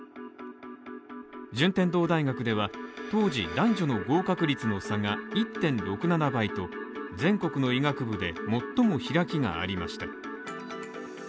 順天堂大学では当時、男女の合格率の差が１．６７倍と、全国の医学部で最も開きがありました。